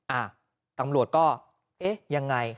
อ่าตำรวจก็เอ๊ะยังไง